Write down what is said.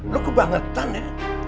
lu kebangetan ya